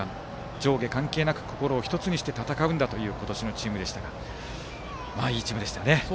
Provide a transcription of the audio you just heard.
上下関係なく心を１つにして戦うんだという今年のチームでしたがいいチームでしたね。